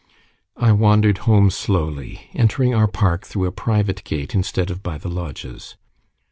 I wandered home slowly, entering our park through a private gate instead of by the lodges.